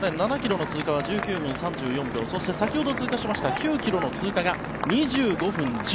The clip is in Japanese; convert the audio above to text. ７ｋｍの通過は１９分３４秒そして先ほど通過しました９ｋｍの通過が２５分１０秒。